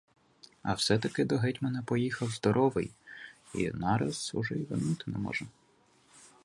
А все-таки до гетьмана поїхав здоровий і — нараз уже й вернути не може.